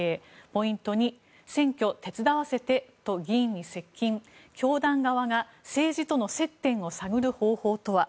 ポイント２選挙手伝わせてと議員に接近教団側が政治との接点を探る方法とは。